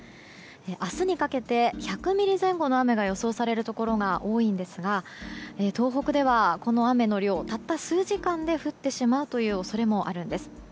明日にかけて１００ミリ前後の雨が予想されるところが多いんですが東北では、この雨の量経った数時間で降ってしまうという恐れもあるんです。